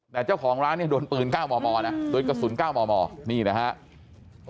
แต่เจ้าของร้านเนี่ยโดนปืน๙มมนะโดนกระสุน๙มมนี่นะครับ